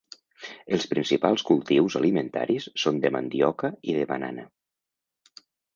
Els principals cultius alimentaris són de mandioca i de banana.